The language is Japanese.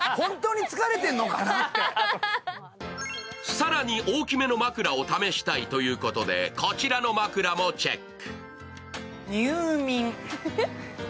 更に大きめの枕を試したいということでこちらの枕もチェック。